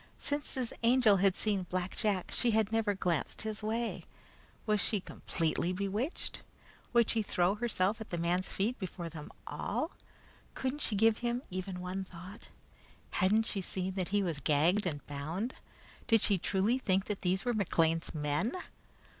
Since his Angel had seen Black Jack she never had glanced his way. Was she completely bewitched? Would she throw herself at the man's feet before them all? Couldn't she give him even one thought? Hadn't she seen that he was gagged and bound? Did she truly think that these were McLean's men?